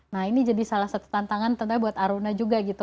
nah ini jadi salah satu tantangan tentunya buat aruna juga gitu